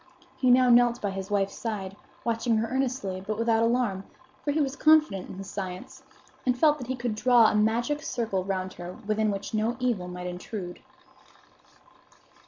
He now knelt by his wife's side, watching her earnestly, but without alarm; for he was confident in his science, and felt that he could draw a magic circle round her within which no evil might intrude.